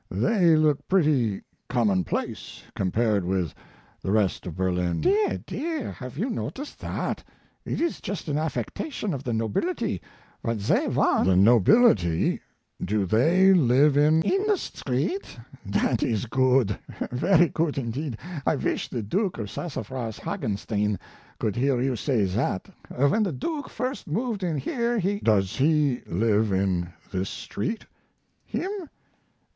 They look pretty commonplace, compared with the rest of Berlin." "Dear! dear! have you noticed that? It is just an affectation of the nobility. What they want " "The nobility? Do they live in " "In this street? That is good! very good, indeed! I wish the Duke of Sassafras Hagenstein could hear you say that. When the Duke first moved in here he " "Does he live in this street?" "Him!